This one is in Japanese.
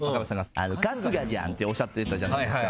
春日じゃんっておっしゃってたじゃないですか。